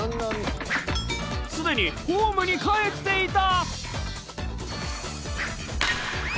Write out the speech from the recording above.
すでにホームに帰っていた。